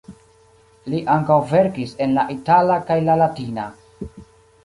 Li ankaŭ verkis en la itala kaj la latina.